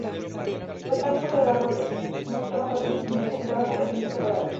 Los cambios observados mostraban patrones similares en cada población separada.